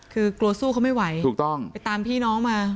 คือกลัวสู้เขาไม่ไหวไปตามพี่น้องมา